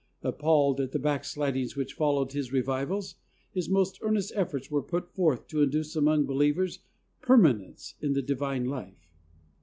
Appalled at the back slidings which followed his revivals, his most earnest efforts were put forth to induce among believers permanence in the divine life.